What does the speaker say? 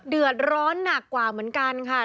เดือดร้อนหนักกว่าเหมือนกันค่ะ